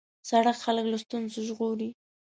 سړک خلک له ستونزو ژغوري.